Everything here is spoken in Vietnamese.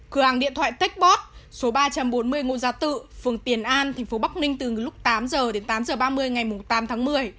cửa hàng điện thoại techbot số ba trăm bốn mươi ngô gia tự phường tiền an thành phố bắc ninh từ lúc tám h đến tám h ba mươi ngày tám tháng một mươi